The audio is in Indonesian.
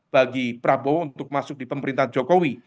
bagi prabowo untuk masuk di pemerintahan jokowi